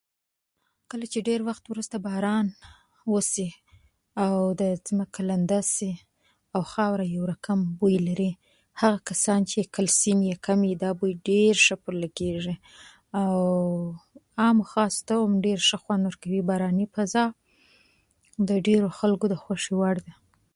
کله چې ډېر وخت وروسته باران وسي او د ځمکه لنده سي او خاوره یو رقم بوۍ لري، هغه کسان چې کلسيم يې کم يي دا بوۍ ډېرشه پر لګېژي او عام خاص ته هم خوند ورکوي باراني فضأ او ډېرو خلګو ته د خوشي وړ ده.